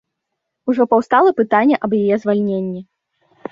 Ужо паўстала пытанне аб яе звальненні.